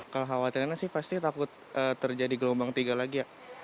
kekhawatirannya sih pasti takut terjadi gelombang tiga lagi ya